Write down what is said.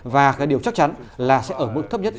và cái điều chắc chắn là sẽ ở mức thấp nhất